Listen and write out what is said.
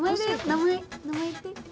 名前言って。